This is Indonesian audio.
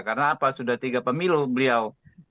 karena apa sudah tiga pemilu beliau